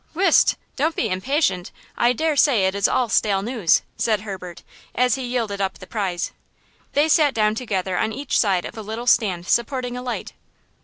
"Whist! Don't be impatient! I dare say it is all stale news!" said Herbert as he yielded up the prize. They sat down together on each side of a little stand supporting a light.